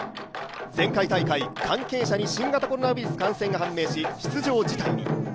前回大会、関係者に新型コロナウイルス感染が判明し、出場辞退に。